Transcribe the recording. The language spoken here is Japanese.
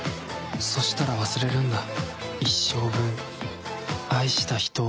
そしたら忘れるんだ一生分愛した人を。